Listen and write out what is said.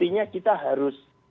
intinya kita harus